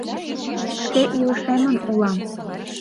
Шке илышемын улам.